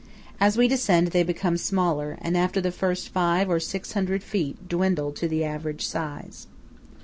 As we descend they become smaller, and after the first five or six hundred feet, dwindle to the average size.